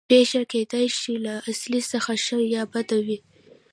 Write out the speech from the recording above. پېښه کېدای شي له اصلي څخه ښه یا بده وي